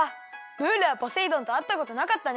ム―ルはポセイ丼とあったことなかったね！